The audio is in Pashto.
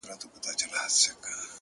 ستا زړه سمدم لكه كوتره نور به نه درځمه.!